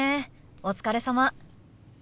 お疲れさま。